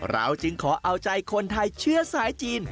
เราจึงขอเอาใจคนไทยเชื้อสายจีน